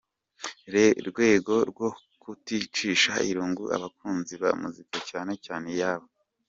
rwego rwo kuticisha irungu abakunzi ba muzika cyane cyane iyabo.